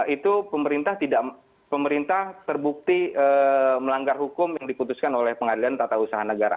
itu pemerintah terbukti melanggar hukum yang diputuskan oleh pengadilan tata usaha negara